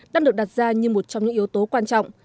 đang được đặt ra như một trong những yếu tố quan trọng